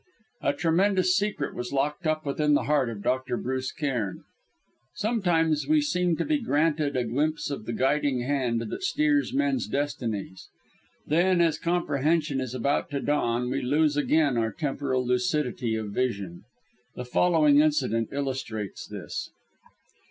A tremendous secret was locked up within the heart of Dr. Bruce Cairn. Sometimes we seem to be granted a glimpse of the guiding Hand that steers men's destinies; then, as comprehension is about to dawn, we lose again our temporal lucidity of vision. The following incident illustrates this.